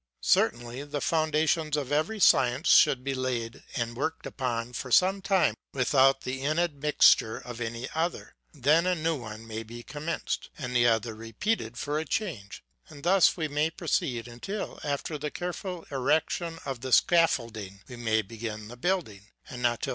Certainly the foundations of every science should be laid and worked upon for some time without the intermixture of any other ; then a new one may be commenced, and the other repeated for a change; and thus we may proceed, until, after the careful erection of the scaffolding, we may begin the building, and not till 374 LEVANA.